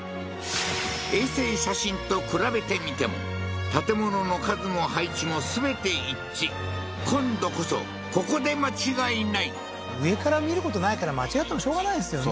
衛星写真と比べてみても今度こそここで間違いない上から見ることないから間違ってもしょうがないですよね